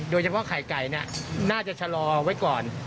โดยเฉพาะไข่ไก่น่าจะชะลอไว้ก่อน